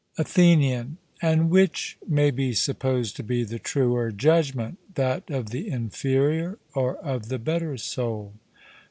ATHENIAN: And which may be supposed to be the truer judgment that of the inferior or of the better soul?